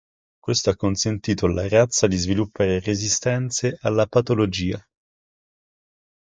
Questo ha consentito alla razza di sviluppare resistenza alla patologia.